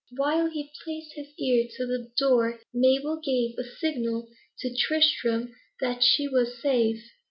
While he placed his ear to the door, Mabel gave a signal to Tristram that she was safe.